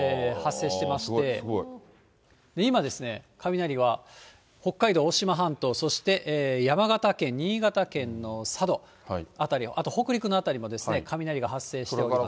今、雷は、北海道渡島半島、そして山形県、新潟県の佐渡辺りを、あと北陸の辺りも、雷が発生しています。